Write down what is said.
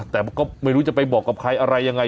แต่ก็ไม่รู้จะไปบอกกับใครอะไรยังไง